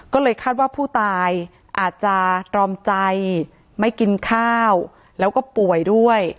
ก็เลยคาดว่าผู้ตายอาจจะตรอมใจไม่กินข้าวแล้วก็ป่วยด้วย